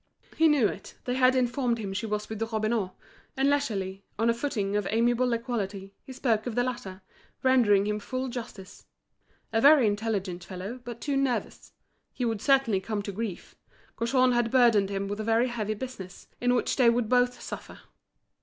He knew it, they had informed him she was with Robineau; and leisurely, on a footing of amiable equality, he spoke of the latter, rendering him full justice. A very intelligent fellow, but too nervous. He would certainly come to grief: Gaujean had burdened him with a very heavy business, in which they would both suffer.